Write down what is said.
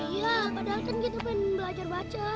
iya padahal kan kita pengen belajar baca